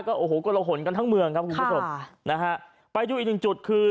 โอ้โหกลหนกันทั้งเมืองครับคุณผู้ชมค่ะนะฮะไปดูอีกหนึ่งจุดคือ